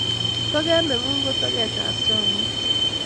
Toket ne ng'un ko toget ab chamiet